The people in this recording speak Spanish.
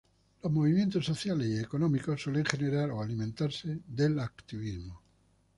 Los movimientos sociales y económicos suelen generar o alimentarse del activismo.